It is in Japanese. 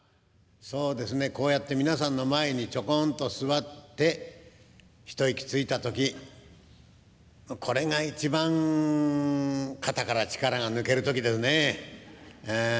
こうやって皆さんの前にちょこんと座って一息ついた時これが一番肩から力が抜ける時ですねえ。